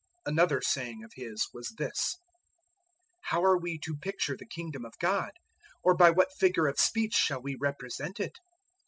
004:030 Another saying of His was this: "How are we to picture the Kingdom of God? or by what figure of speech shall we represent it?